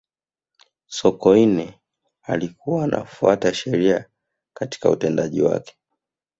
sokoine alikuwa anafuata sheria katika utendaji wake